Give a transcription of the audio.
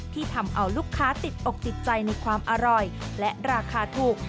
ที่ทำเอาลูกค้าติดอกติดใจในความอร่อยและราคาถูก